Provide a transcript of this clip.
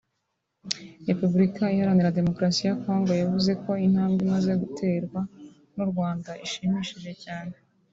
Repubulika Iharanaira Demokarasi ya Congo yavuze ko intambwe imaze guterwa n’u Rwanda ishimishije cyane